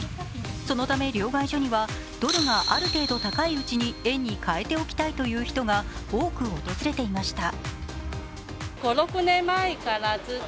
そのため両替所には、ドルがある程度高いうちに円に替えておきたいという人が多く訪れていました。